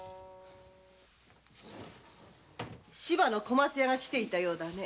小松屋が来ていたようだね。